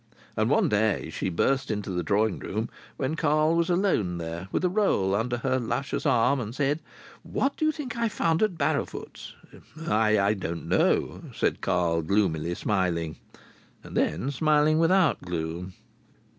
And one day she burst into the drawing room when Carl was alone there, with a roll under her luscious arm, and said: "What do you think I've found at Barrowfoot's?" "I don't know," said Carl, gloomily smiling, and then smiling without gloom.